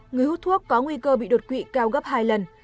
người hút thuốc có nguy cơ bị đột quỵ cao gấp hai lần